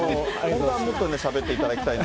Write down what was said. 本当はもっとしゃべっていただきたい。